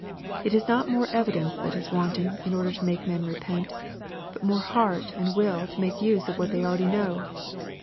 It is not more evidence that is wanted in order to make men repent, but more heart and will to make use of what ihey already know.